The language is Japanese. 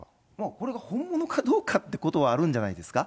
これが本物かどうかっていうことはあるんじゃないですか。